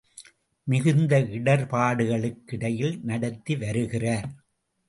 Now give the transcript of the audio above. மிகுந்த இடர்பர்டுகளுக்கிடையில் நடத்தி வருகிறார்.